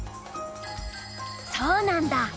そうなんだ。